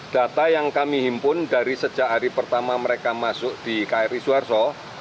data yang kami himpun dari sejak hari pertama mereka masuk di kri suharto